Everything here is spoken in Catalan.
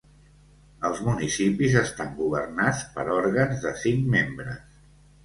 Els municipis estan governats per òrgans de cinc membres.